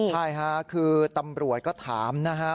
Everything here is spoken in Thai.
ใช่ค่ะคือตำรวจก็ถามนะฮะ